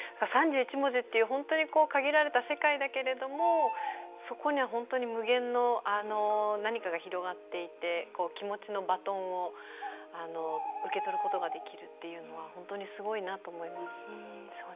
３１文字っていう本当に限られた世界だけれどもそこには本当に無限の何かが広がっていて気持ちのバトンを受け取ることができるというのが本当にすごいなと思います。